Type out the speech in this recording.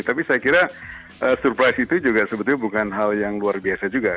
tapi saya kira surprise itu juga sebetulnya bukan hal yang luar biasa juga